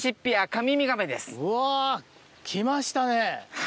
うわ来ましたね！